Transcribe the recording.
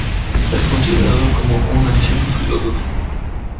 Es considerado como un anciano filósofo.